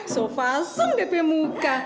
so fasung dp muka